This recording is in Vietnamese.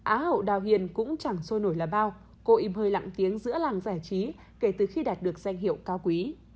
á hậu đào hiền cũng chẳng sôi nổi là bao cô im hơi lặng tiếng giữa làng giải trí kể từ khi đạt được danh hiệu cao quý